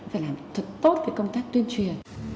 phải làm thật tốt công tác tuyên truyền